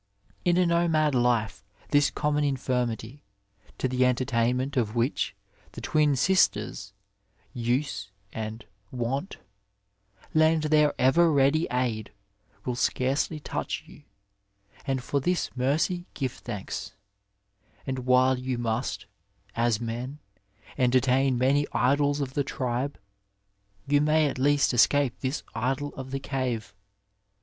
In a nomad life this common infirmity, to the entertainment of which the twin sisters, Use and Wont, lend their ever ready aid, will scarcely touch you, and for this mercy give thanks; and while yon must, as men, entertain many idols of the tribe, you may at least escape this idol of the cave.